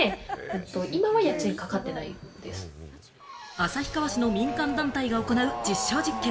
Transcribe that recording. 旭川市の民間団体が行う実証実験。